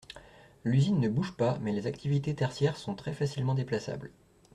L’usine ne bouge pas mais les activités tertiaires sont très facilement déplaçables.